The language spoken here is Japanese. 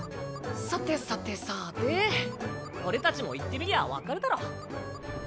さてさてさて俺たちも行ってみりゃ分かるだろ。